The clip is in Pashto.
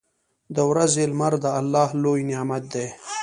• د ورځې لمر د الله لوی نعمت دی.